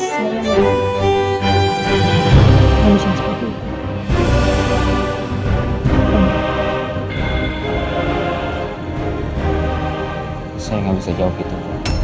saya nggak bisa jawab itu